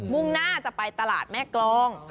่งหน้าจะไปตลาดแม่กรอง